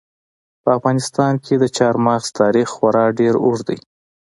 په افغانستان کې د چار مغز تاریخ خورا ډېر اوږد دی.